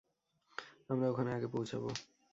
আমরা ওখানে আগে পৌঁছাব।